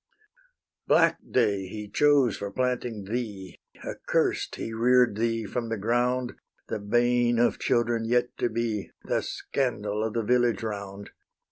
Black day he chose for planting thee, Accurst he rear'd thee from the ground, The bane of children yet to be, The scandal of the village round.